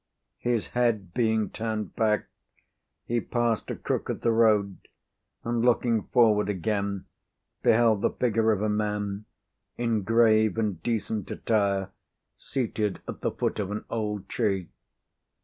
His head being turned back, he passed a crook of the road, and, looking forward again, beheld the figure of a man, in grave and decent attire, seated at the foot of an old tree.